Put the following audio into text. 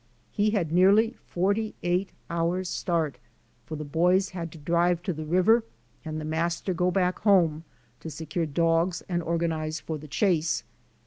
He had nearly forty eight hours start, for the boys had to drive to the river and the master go back home to secure dogs and organize for the chase.